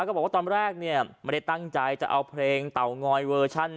บอกว่าตอนแรกเนี่ยไม่ได้ตั้งใจจะเอาเพลงเตางอยเวอร์ชัน